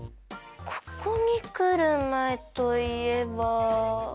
ここにくるまえといえば。